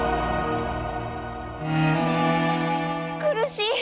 苦しい！